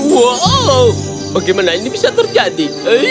wow bagaimana ini bisa terjadi